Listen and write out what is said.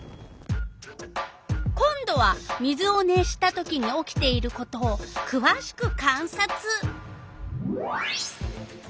今度は水を熱したときに起きていることをくわしく観察。